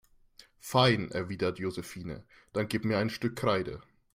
Fein, erwidert Josephine, dann gib mir ein Stück Kreide.